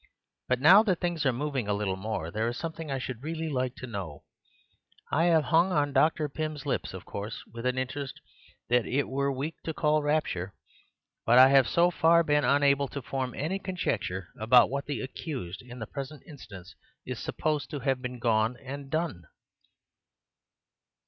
But now that things are moving a little more, there is something I should really like to know. I have hung on Dr. Pym's lips, of course, with an interest that it were weak to call rapture, but I have so far been unable to form any conjecture about what the accused, in the present instance, is supposed to have been and gone and done."